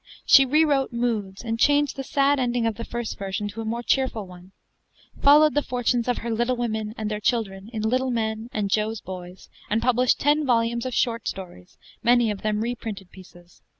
She rewrote 'Moods,' and changed the sad ending of the first version to a more cheerful one; followed the fortunes of her 'Little Women' and their children in 'Little Men' and 'Jo's Boys,' and published ten volumes of short stories, many of them reprinted pieces.